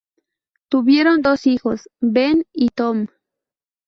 Tuvieron dos hijos, Ben y Tom.